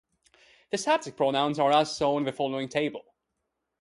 The subject pronouns are as shown in the following table.